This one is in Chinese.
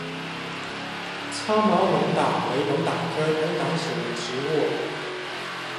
糙毛龙胆为龙胆科龙胆属的植物。